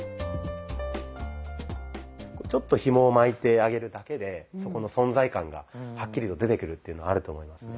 ちょっとひもを巻いてあげるだけでそこの存在感がはっきりと出てくるっていうのはあると思いますね。